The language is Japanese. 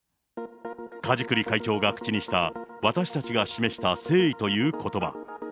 梶栗会長が口にした、私たちが示した誠意ということば。